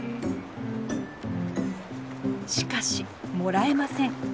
しかしもらえません。